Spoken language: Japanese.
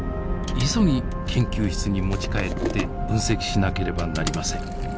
急ぎ研究室に持ち帰って分析しなければなりません。